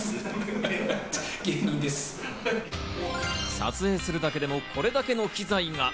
撮影するだけでもこれだけの機材が。